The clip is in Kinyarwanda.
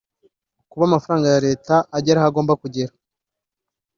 kuba amafaranga ya Leta agera aho agomba kugera